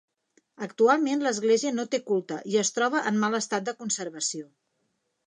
Actualment l'església no té culte i es troba en mal estat de conservació.